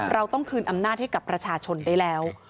เราต้องคืนอำนาจให้กับประชาชนได้แล้ว